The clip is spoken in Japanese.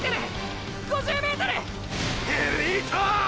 エリートォ！！